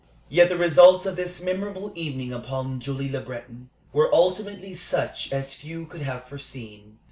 Yet the results of this memorable evening upon Julie Le Breton were ultimately such as few could have foreseen.